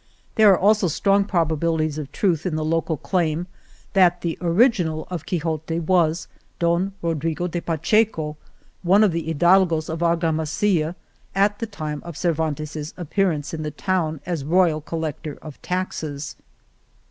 There are also strong probabilities of truth in the local claim that the original of Quixote was Don Rodrigo de Pacheco, one of the hidalgos of Argamasilla at the time of Cervantes's ap pearance in the town as royal collector of taxes.